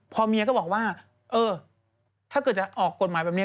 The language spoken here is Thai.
พอเมียก็บอกว่าเออถ้าเกิดจะออกกฎหมายแบบนี้